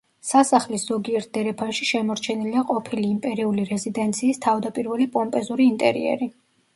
სასახლის ზოგიერთ დერეფანში შემორჩენილია ყოფილი იმპერიული რეზიდენციის თავდაპირველი პომპეზური ინტერიერი.